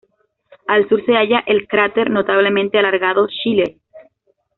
Al sur se halla el cráter notablemente alargado Schiller.